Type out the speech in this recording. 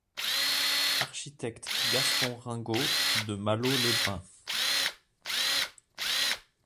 Architecte Gaston Ringot de Malo-les-Bains.